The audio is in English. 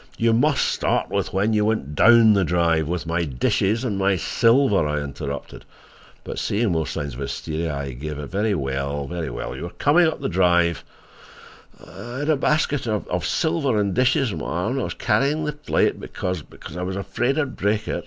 "You must start with when you went DOWN the drive, with my dishes and my silver," I interrupted, but, seeing more signs of hysteria, I gave in. "Very well. You were coming up the drive—" "I had a basket of—of silver and dishes on my arm and I was carrying the plate, because—because I was afraid I'd break it.